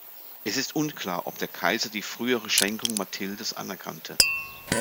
Es ist unklar, ob der Kaiser die frühere Schenkung Mathildes anerkannte.